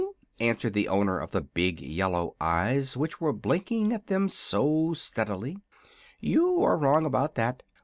"No," answered the owner of the big yellow eyes which were blinking at them so steadily; "you are wrong about that.